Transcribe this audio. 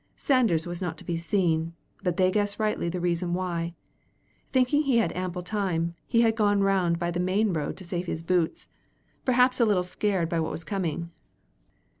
Sanders was not to be seen, but they guessed rightly the reason why. Thinking he had ample time, he had gone round by the main road to save his boots perhaps a little scared by what was coming.